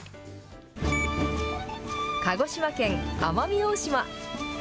鹿児島県奄美大島。